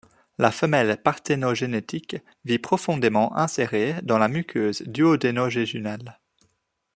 La femelle parthénogénétique vit profondément insérée dans la muqueuse duodéno-jéjunale.